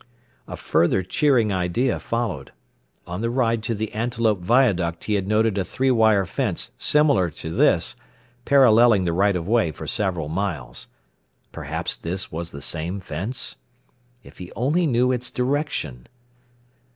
A further cheering idea followed. On the ride to the Antelope viaduct he had noted a three wire fence similar to this paralleling the right of way for several miles. Perhaps this was the same fence? If he only knew its direction!